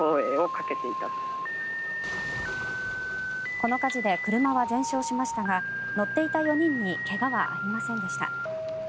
この火事で車は全焼しましたが乗っていた４人に怪我はありませんでした。